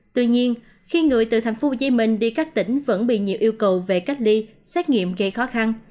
tuy nhiên khi người từ tp hcm đi các tỉnh vẫn bị nhiều yêu cầu về cách ly xét nghiệm gây khó khăn